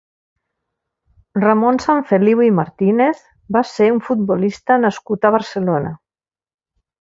Ramon Sanfeliu i Martínez va ser un futbolista nascut a Barcelona.